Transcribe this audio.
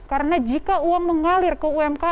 karena jika uang mengalir ke umk